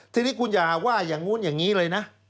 ทีนี้คุณอย่าว่าอย่างนู้นอย่างนี้เลยนะ